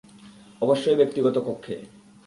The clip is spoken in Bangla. অবশ্যই ব্যক্তিগত কক্ষে!